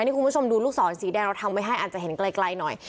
นี่คุณผู้ชมดูลูกศรสีแดงเราทำไว้ให้อาจจะเห็นไกลหน่อย